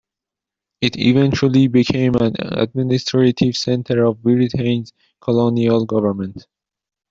It eventually became an administrative centre of Britain's colonial government.